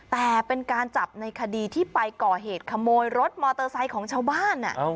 แต่เป็นการจับในคดีที่ไปก่อเหตุขโมยรถมอเตอร์ไซค์ของชาวบ้าน